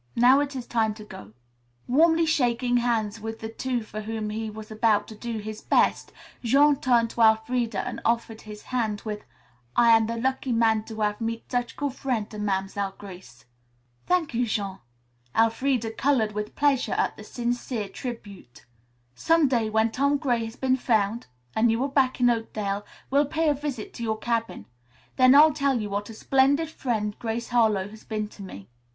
Now it is time to go." Warmly shaking hands with the two for whom he was about to "do his best," Jean turned to Elfreda and offered his hand with: "I am the lucky man to hav' meet such good frien' to Mam'selle Grace." "Thank you, Jean." Elfreda colored with pleasure at the sincere tribute. "Some day, when Tom Gray has been found and you are back again in Oakdale, we'll pay a visit to your cabin. Then I'll tell you what a splendid friend Grace Harlowe has been to me."